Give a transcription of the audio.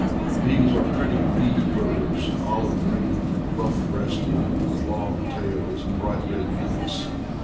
These are pretty reed birds, olive green, buff breasted, with long tails and bright red beaks.